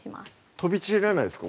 飛び散らないですか？